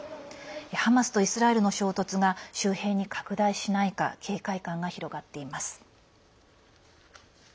ハマスとイスラエルの衝突が周辺に拡大しないか警戒感が広がっています。